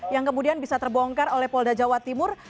yang kemudian bisa terbongkar oleh polda jawa timur